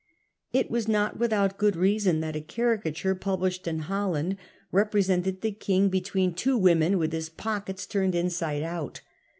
It was not without good reason that a caricature published in Holland represented the 1672. Measures of the Cabal 197 King between two wdinen, with his pockets turned inside out.